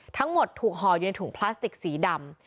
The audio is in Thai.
ทั้งหมดถูกห่ออยู่ในถุงพลาสติกสีดำ